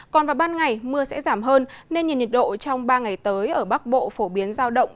còn vào ban ngày mưa sẽ giảm hơn nên nhiệt độ trong ba ngày tới ở bắc bộ phổ biến giao động